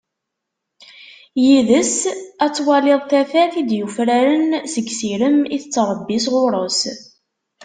Yid-s ad twaliḍ tafat i d-yufraren, seg sirem i tettrebbi s ɣur-s.